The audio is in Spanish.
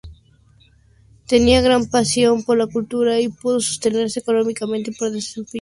Tenía gran pasión por la cultura y pudo sostenerse económicamente desempeñándose como profesor.